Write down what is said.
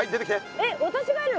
えっ私がやるの？